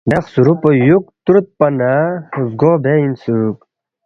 دے خسُورُوب پو یُوک تُرودپا نہ زگو بے اِنسُوک